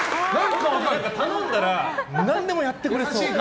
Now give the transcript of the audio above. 頼んだら何でもやってくれそう。